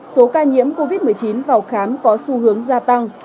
số ca nhiễm covid một mươi chín vào khám có xu hướng gia tăng